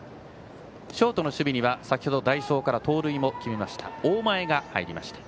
ショートの守備には先ほど代走から盗塁も決めた大前が入りました。